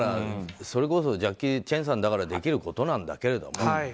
それこそジャッキー・チェンさんだからできることなんだけれどね。